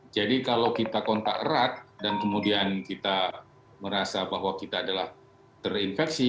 jadi kalau kita kontak erat dan kemudian kita merasa bahwa kita adalah terinfeksi